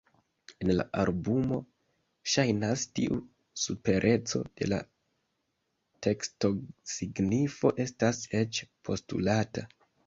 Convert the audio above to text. En la albumo, ŝajnas, tiu supereco de la tekstosignifo estas eĉ postulata.